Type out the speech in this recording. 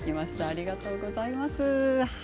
ありがとうございます。